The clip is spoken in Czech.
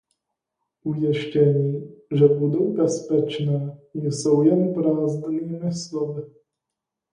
Ujištění, že budou bezpečné, jsou jen prázdnými slovy.